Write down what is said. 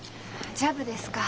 ジャブですか。